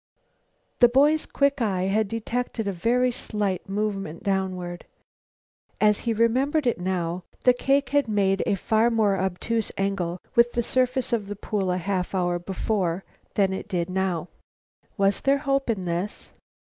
The boy's quick eye had detected a very slight movement downward. As he remembered it now, the cake had made a far more obtuse angle with the surface of the pool a half hour before than it did now. Was there hope in this?